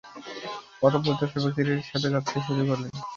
পথপ্রদর্শক ব্যক্তিটির সাথে যাত্রা শুরু করলেন।